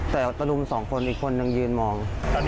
แต่ออกตรวมสองคนอีกคนหนึ่งยืนมอง